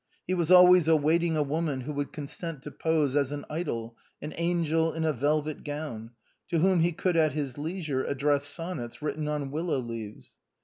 He was always awaiting a woman who would consent to pose as an idol, an angel in a velvet gown, to whom he could at his leisure address sonnets written on willow leaves.